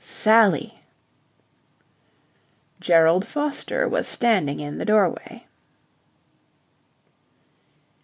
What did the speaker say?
"Sally!" Gerald Foster was standing in the doorway.